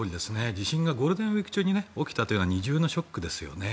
地震がゴールデンウィーク中に起きたというのは二重のショックですよね。